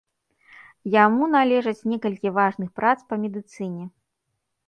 Яму належаць некалькі важных прац па медыцыне.